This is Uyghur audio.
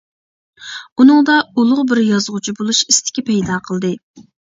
ئۇنىڭدا ئۇلۇغ بىر يازغۇچى بولۇش ئىستىكى پەيدا قىلدى.